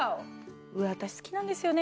私好きなんですよね